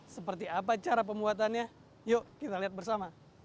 seperti apa cara pembuatannya yuk kita lihat bersama